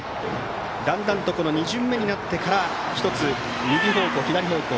だんだんと２巡目になってから１つ右方向、左方向